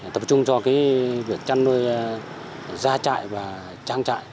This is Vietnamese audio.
tập trung cho việc chăn nuôi gia trại và trang trại